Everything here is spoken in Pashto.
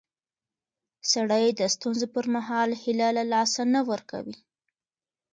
سړی د ستونزو پر مهال هیله له لاسه نه ورکوي